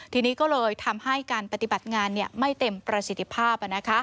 ทีนี้ก็เลยทำให้การปฏิบัติงานไม่เต็มประสิทธิภาพ